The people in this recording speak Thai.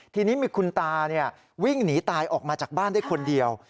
ทีนี้มีคุณตาวิ่งหนีตายออกมาจากบ้านได้คนเดียว